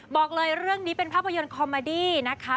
บอกเลยเรื่องนี้เป็นภาพยนตร์คอมมาดี้นะคะ